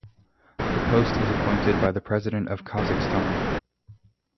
The post is appointed by the President of Kazakhstan.